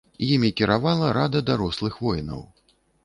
Імі кіравала рада дарослых воінаў.